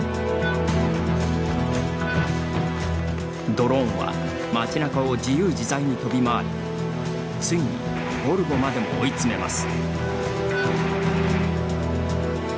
ドローンは街中を自由自在に飛び回りついにゴルゴまでも追い詰めます。